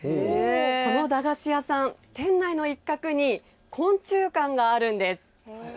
この駄菓子屋さん、店内の一角に昆虫館があるんです。